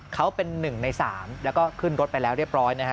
เขาเป็น๑ใน๓แล้วก็ขึ้นรถไปแล้วเรียบร้อยนะฮะ